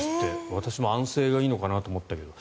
私も安静がいいのかなと思ったけど。